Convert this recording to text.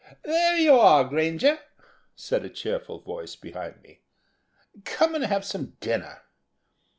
"There you are, Granger," said a cheerful voice behind me. "Come and have some dinner."